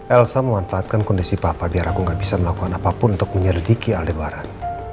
elsa memanfaatkan kondisi papa biar aku nggak bisa melakukan apapun untuk menyelidiki allebaran